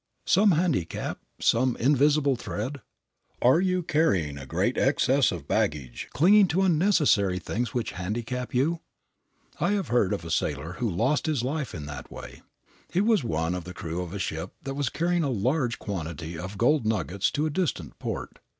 Some handicap, some invisible thread? Are you carrying a great excess of baggage, clinging to unnecessary things which handicap you? I have heard of a sailor who lost his life in that way. He was one of the crew of a ship that was carrying a large quantity of gold nuggets to a distant port.